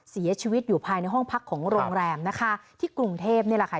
เสียชีวิตอยู่ภายในห้องพักของโรงแรมนะคะที่กรุงเทพนี่แหละค่ะ